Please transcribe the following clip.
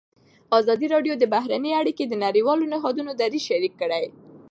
ازادي راډیو د بهرنۍ اړیکې د نړیوالو نهادونو دریځ شریک کړی.